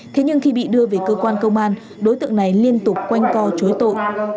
thế nhưng khi bị đưa về cơ quan công an đối tượng này liên tục quanh co chối tội